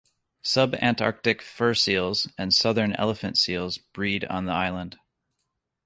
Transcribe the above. Subantarctic fur seals and southern elephant seals breed on the island.